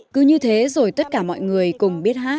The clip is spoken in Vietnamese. cứ như thế rồi tất cả mọi người cùng biết hát